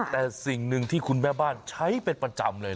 แต่สิ่งหนึ่งที่คุณแม่บ้านใช้เป็นประจำเลย